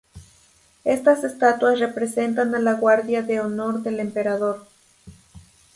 Estas estatuas representan a la guardia de honor del emperador.